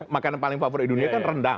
makanan paling favorit di dunia kan rendang